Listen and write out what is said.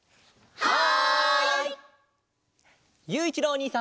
はい！